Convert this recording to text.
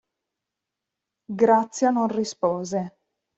Grazia non rispose.